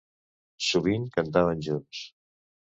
Sovint cantaven junts.